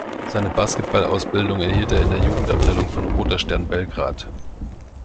Seine Basketball-Ausbildung erhielt er in der Jugendabteilung von Roter Stern Belgrad.